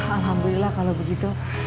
alhamdulillah kalo begitu